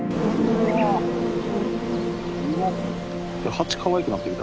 蜂かわいくなってきた。